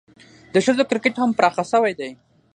د ښځو کرکټ هم پراخه سوی دئ.